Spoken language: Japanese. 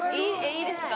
いいですか。